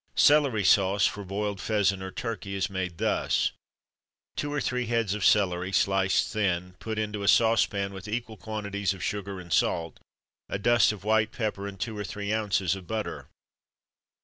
Celery Sauce, for boiled pheasant, or turkey, is made thus: Two or three heads of celery, sliced thin, put into a saucepan with equal quantities of sugar and salt, a dust of white pepper, and two or three ounces of butter.